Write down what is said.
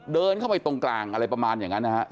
เดินเข้าไปตรงกลางอะไรประมาณอย่างนั้นนะครับ